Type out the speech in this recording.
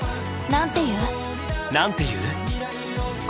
なんて言う？